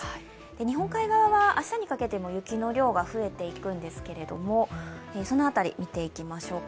日本海側は明日にかけても雪の量が増えていくんですけれども、その辺り、見ていきましょうか。